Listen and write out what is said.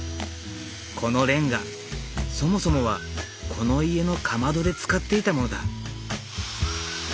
このレンガそもそもはこの家のかまどで使っていたものだ。